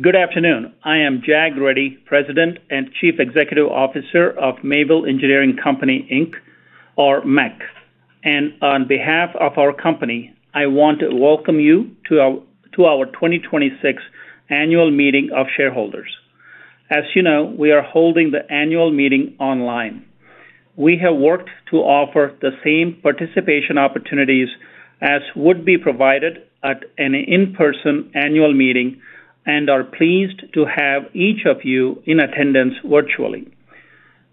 Good afternoon. I am Jag Reddy, President and Chief Executive Officer of Mayville Engineering Company, Inc., or MEC. On behalf of our company, I want to welcome you to our 2026 annual meeting of shareholders. As you know, we are holding the annual meeting online. We have worked to offer the same participation opportunities as would be provided at an in-person annual meeting and are pleased to have each of you in attendance virtually.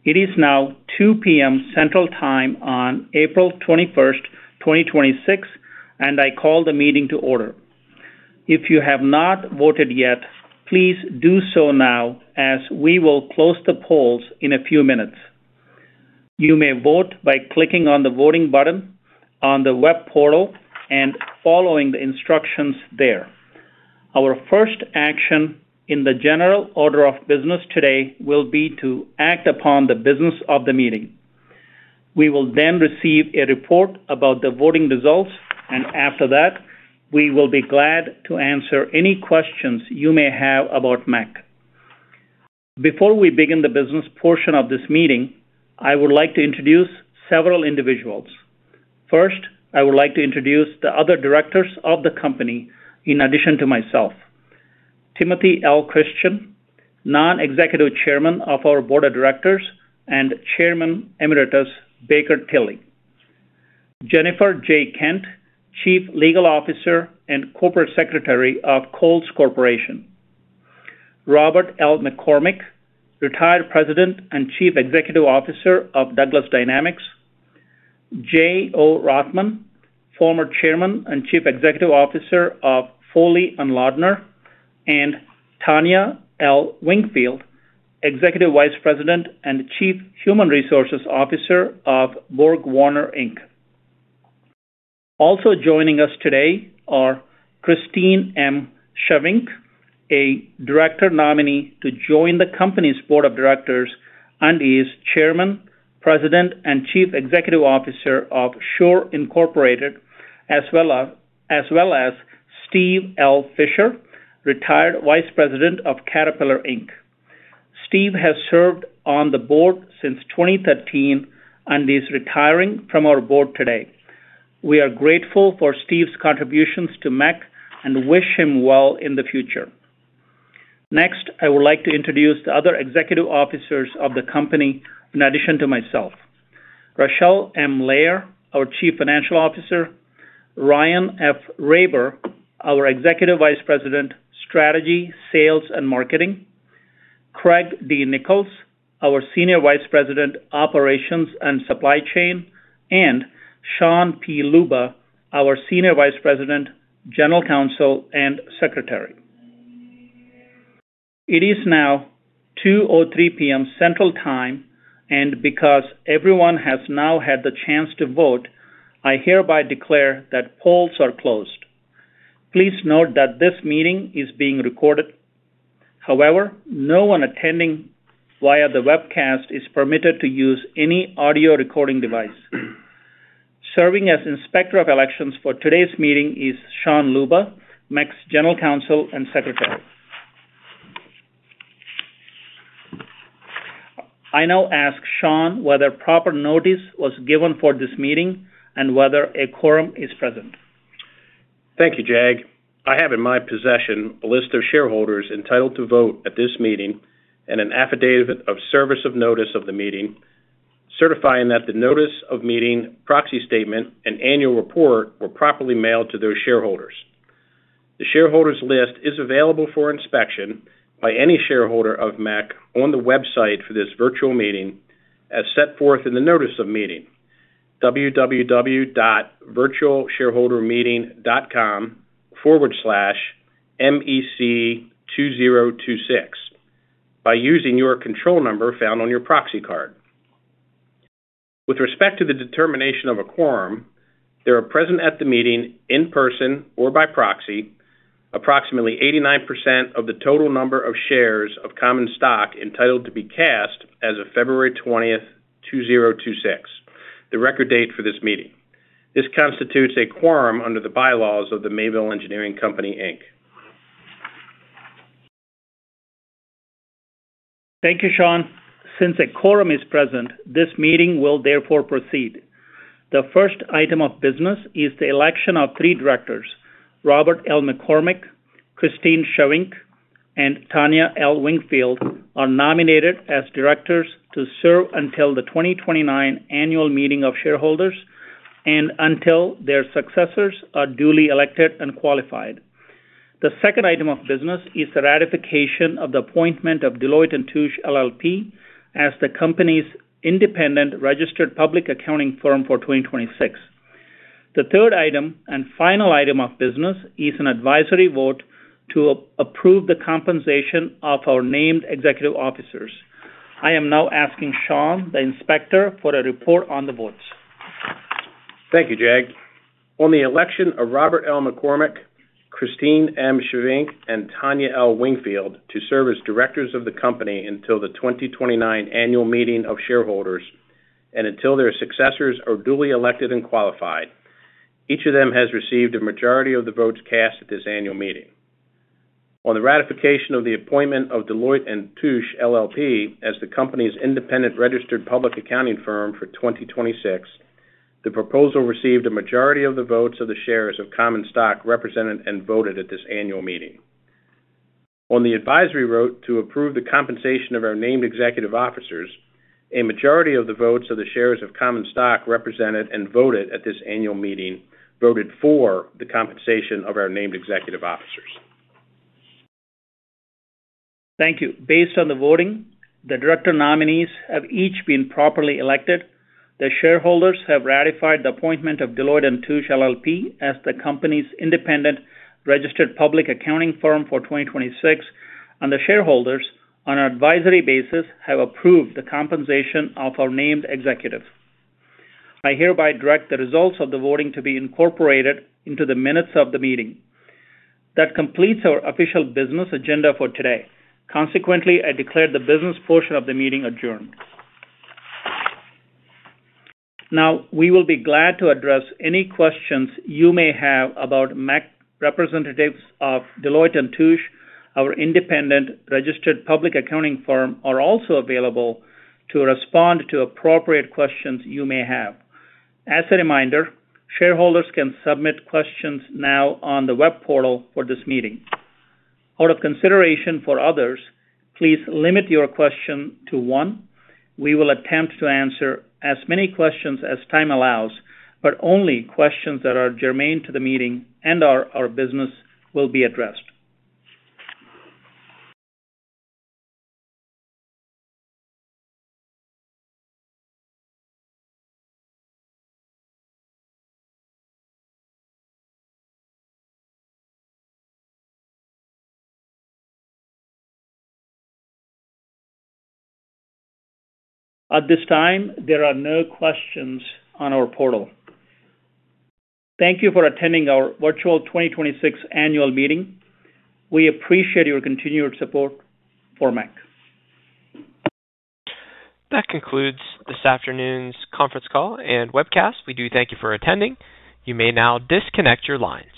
It is now 2:00 P.M. Central Time on April 21st, 2026, and I call the meeting to order. If you have not voted yet, please do so now, as we will close the polls in a few minutes. You may vote by clicking on the voting button on the web portal and following the instructions there. Our first action in the general order of business today will be to act upon the business of the meeting. We will then receive a report about the voting results, and after that, we will be glad to answer any questions you may have about MEC. Before we begin the business portion of this meeting, I would like to introduce several individuals. First, I would like to introduce the other directors of the company, in addition to myself. Timothy L. Christen, Non-Executive Chairman of our Board of Directors and Chairman Emeritus, Baker Tilly. Jennifer J. Kent, Chief Legal Officer and Corporate Secretary of Kohl's Corporation. Robert L. McCormick, Retired President and Chief Executive Officer of Douglas Dynamics. Jay O. Rothman, former Chairman and Chief Executive Officer of Foley & Lardner. Tania L. Wingfield, Executive Vice President and Chief Human Resources Officer of BorgWarner Inc. Also joining us today are Christine M. Schyvinck, a director nominee to join the company's board of directors and is Chairman, President, and Chief Executive Officer of Shure Incorporated, as well as Steve L. Fisher, retired Vice President of Caterpillar Inc. Steve has served on the board since 2013 and is retiring from our board today. We are grateful for Steve's contributions to MEC and wish him well in the future. Next, I would like to introduce the other executive officers of the company in addition to myself. Rachele M. Lehr, our Chief Financial Officer, Ryan F. Raber, our Executive Vice President, Strategy, Sales, and Marketing, Craig D. Nichols, our Senior Vice President, Operations and Supply Chain, and Sean P. Leuba, our Senior Vice President, General Counsel, and Secretary. It is now 2:03 P.M. Central Time, and because everyone has now had the chance to vote, I hereby declare that polls are closed. Please note that this meeting is being recorded. However, no one attending via the webcast is permitted to use any audio recording device. Serving as Inspector of Elections for today's meeting is Sean P. Leuba, MEC's General Counsel and Secretary. I now ask Sean whether proper notice was given for this meeting and whether a quorum is present. Thank you, Jag. I have in my possession a list of shareholders entitled to vote at this meeting and an affidavit of service of notice of the meeting, certifying that the notice of meeting, proxy statement, and annual report were properly mailed to those shareholders. The shareholders list is available for inspection by any shareholder of MEC on the website for this virtual meeting as set forth in the notice of meeting, www.virtualshareholdermeeting.com/mec2026, by using your control number found on your proxy card. With respect to the determination of a quorum, there are present at the meeting, in person or by proxy, approximately 89% of the total number of shares of common stock entitled to be cast as of February 20th, 2026, the record date for this meeting. This constitutes a quorum under the bylaws of the Mayville Engineering Company, Inc. Thank you, Sean. Since a quorum is present, this meeting will therefore proceed. The first item of business is the election of three directors. Robert L. McCormick, Christine M. Schyvinck, and Tania L. Wingfield are nominated as directors to serve until the 2029 annual meeting of shareholders and until their successors are duly elected and qualified. The second item of business is the ratification of the appointment of Deloitte & Touche LLP as the company's independent registered public accounting firm for 2026. The third item and final item of business is an advisory vote to approve the compensation of our named executive officers. I am now asking Sean, the inspector, for a report on the votes. Thank you, Jag. On the election of Robert L. McCormick, Christine M. Schyvinck, and Tania L. Wingfield to serve as directors of the company until the 2029 annual meeting of shareholders and until their successors are duly elected and qualified. Each of them has received a majority of the votes cast at this annual meeting. On the ratification of the appointment of Deloitte & Touche LLP as the company's independent registered public accounting firm for 2026, the proposal received a majority of the votes of the shares of common stock represented and voted at this annual meeting. On the advisory vote to approve the compensation of our named executive officers, a majority of the votes of the shares of common stock represented and voted at this annual meeting voted for the compensation of our named executive officers. Thank you. Based on the voting, the director nominees have each been properly elected. The shareholders have ratified the appointment of Deloitte & Touche LLP as the company's independent registered public accounting firm for 2026. The shareholders, on an advisory basis, have approved the compensation of our named executives. I hereby direct the results of the voting to be incorporated into the minutes of the meeting. That completes our official business agenda for today. Consequently, I declare the business portion of the meeting adjourned. Now, we will be glad to address any questions you may have about MEC. Representatives of Deloitte & Touche, our independent registered public accounting firm, are also available to respond to appropriate questions you may have. As a reminder, shareholders can submit questions now on the web portal for this meeting. Out of consideration for others, please limit your question to one. We will attempt to answer as many questions as time allows, but only questions that are germane to the meeting and/or our business will be addressed. At this time, there are no questions on our portal. Thank you for attending our virtual 2026 annual meeting. We appreciate your continued support for MEC. That concludes this afternoon's conference call and webcast. We do thank you for attending. You may now disconnect your line.